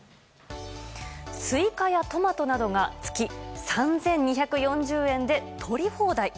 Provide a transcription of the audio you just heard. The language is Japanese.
スイカやトマトなどが月３２４０円で、とり放題。